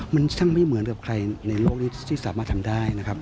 มันช่างไม่เหมือนกับใครในโลกนี้ที่สามารถทำได้นะครับ